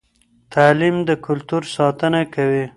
تعلیم د کلتور ساتنه کوي.